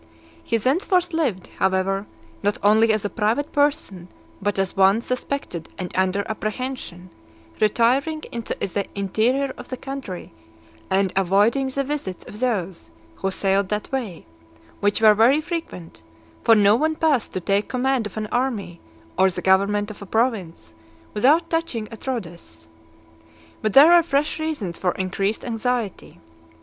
He thenceforth lived, however, not only as a private person, but as one suspected and under apprehension, retiring into the interior of the country, and avoiding the visits of those who sailed that way, which were very frequent; for no one passed to take command of an army, or the government of a province, without touching at Rhodes. But there were fresh reasons for increased anxiety.